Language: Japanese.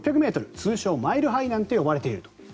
通称マイル・ハイなんて呼ばれていると。